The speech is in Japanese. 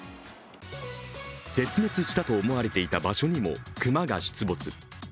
絶滅したと思われていた場所にも熊が出没。